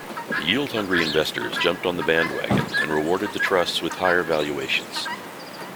Yield-hungry investors jumped on the bandwagon and rewarded the trusts with higher valuations.